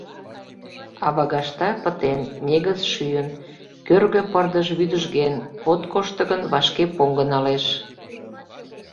Авагашта пытен, негыз шӱйын, кӧргӧ пырдыж вӱдыжген, от кошто гын, вашке поҥго налеш.